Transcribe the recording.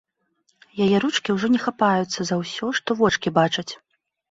Яе ручкі ўжо не хапаюцца за ўсё, што вочкі бачаць.